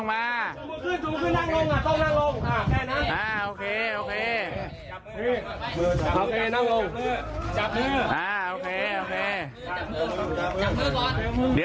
จับมือจับมือ